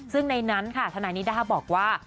ซึ่งในนั้นค่ะทนายนิด้าบอกว่า